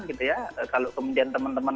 gitu ya kalau kemudian teman teman